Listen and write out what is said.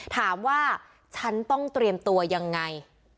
ถามว่าฉันต้องเตรียมตัวยังไง